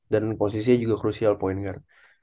dan posisinya juga crucial point kan